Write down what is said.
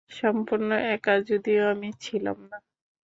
সম্পূর্ণ একা যদিও আমি ছিলাম না।